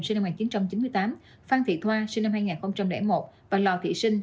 sinh năm một nghìn chín trăm chín mươi tám phan thị thoa sinh năm hai nghìn một và lò thị sinh